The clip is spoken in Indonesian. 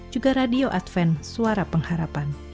juga radio adven suara pengharapan